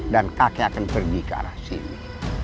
dan kakek akan pergi ke arah sini